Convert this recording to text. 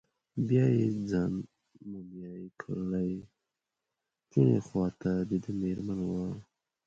بیا یې ځان مومیا کړی، کیڼې خواته دده مېرمن وه.